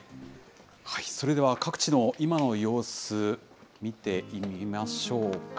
それでは各地の今の様子、見てみましょうか。